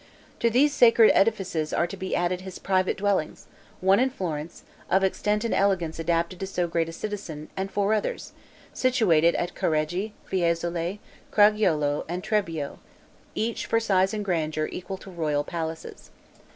To these sacred edifices are to be added his private dwellings, one in Florence, of extent and elegance adapted to so great a citizen, and four others, situated at Careggi, Fiesole, Craggiulo, and Trebbio, each, for size and grandeur, equal to royal palaces.